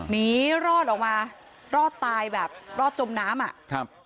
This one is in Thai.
นี่รอดออกมารอดจมน้ำนี่